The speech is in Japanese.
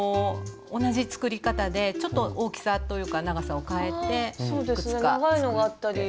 同じ作り方でちょっと大きさというか長さをかえていくつか作って。